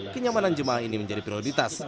kenyamanan jemaah ini menjadi prioritas